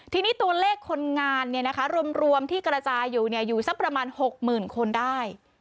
ทีนี้ตัวเลขคนงานรวมที่กระจายอยู่อยู่สักประมาณ๖๐๐๐คนได้